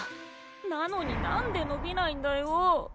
なのになんでのびないんだよ。